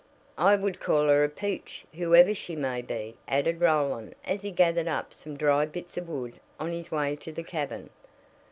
"I would call her a peach, whoever she may be," added Roland as he gathered up some dry bits of wood on his way to the cabin.